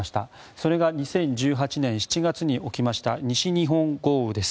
それが２０１８年７月に起きた西日本豪雨です。